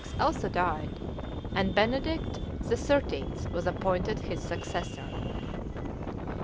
also died, and Benedict XIII. was appointed his successor.